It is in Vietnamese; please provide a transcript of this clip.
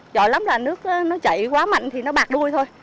giỏi lắm là nước nó chạy quá mạnh thì nó bạc đuôi thôi